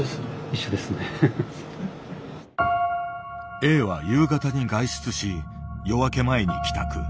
Ａは夕方に外出し夜明け前に帰宅。